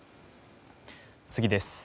次です。